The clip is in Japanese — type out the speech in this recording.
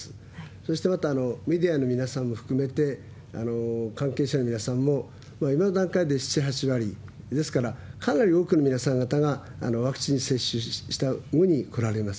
そしてまたメディアの皆さんも含めて、関係者の皆さんも今の段階で７、８割、ですからかなり多くの皆さん方がワクチン接種したうえに来られます。